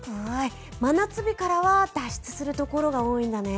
真夏日からは脱出するところが多いんだね。